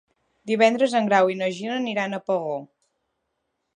Divendres en Grau i na Gina aniran a Pego.